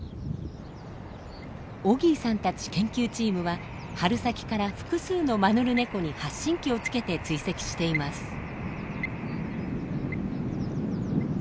オギーさんたち研究チームは春先から複数のマヌルネコに発信器をつけて追跡しています。